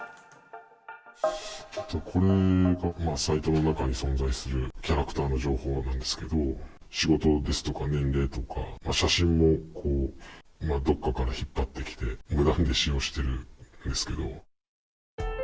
これがサイトの中に存在するキャラクターの情報なんですけど、仕事ですとか年齢とか写真もどこかから引っ張ってきて無断で使用しているんですけど。